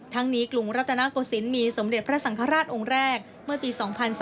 ทั้งนี้กรุงรัตนโกศิลป์มีสมเด็จพระสังฆราชองค์แรกเมื่อปี๒๔